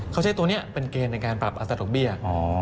เขาใช้ตัวนี้เป็นเกณฑ์ในการปรับอัตราดอกเบี้ย